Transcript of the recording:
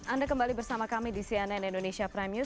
anda kembali bersama kami di cnn indonesia prime news